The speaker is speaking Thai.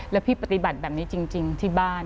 แล้วพี่ปฏิบัติแบบนี้จริงที่บ้าน